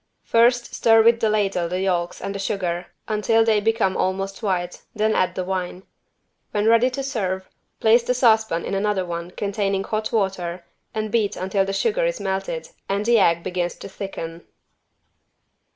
First stir with the ladle the yolks and the sugar until they become almost white, then add the wine. When ready to serve, place the saucepan in another one containing hot water and beat until the sugar is melted and the egg begins to thicken.